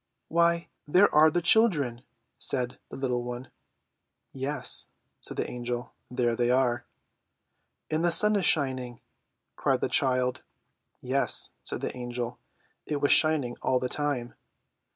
"Why, there are the children!" said the little one. "Yes," said the Angel; "there they are." "And the sun is shining!" cried the child. "Yes," said the Angel; "it was shining all the time."